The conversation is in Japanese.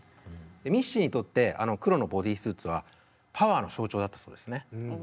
ミッシーにとってあの黒のボディースーツはパワーの象徴だったそうですね。